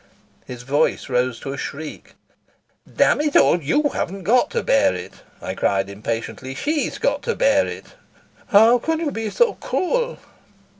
His voice rose to a shriek. "Damn it all, you haven't got to bear it," I cried impatiently. "She's got to bear it." "How can you be so cruel?"